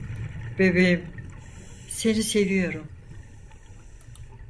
Bebeğim, seni seviyorum.